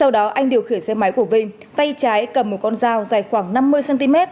điều khiển xe máy của vinh tay trái cầm một con dao dài khoảng năm mươi cm